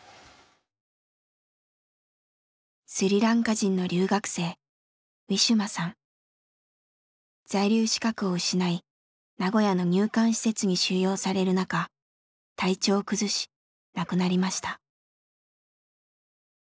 スリランカ人の留学生在留資格を失い名古屋の入管施設に収容される中体調を崩し亡くなりました。